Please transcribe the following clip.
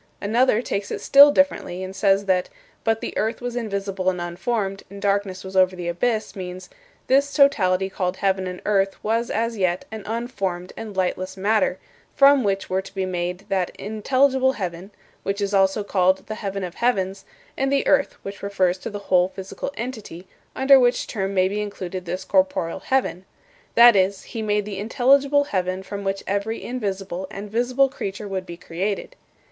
Another takes it still differently and says that "But the earth was invisible and unformed, and darkness was over the abyss" means, "This totality called heaven and earth was as yet an unformed and lightless matter, from which were to be made that intelligible heaven (which is also called 'the heaven of heavens') and the earth (which refers to the whole physical entity, under which term may be included this corporeal heaven) that is, He made the intelligible heaven from which every invisible and visible creature would be created."